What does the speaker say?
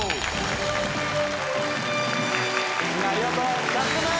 みんなありがとう。